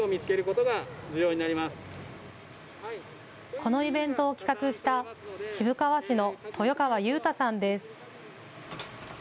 このイベントを企画した渋川市の豊川雄太さんです。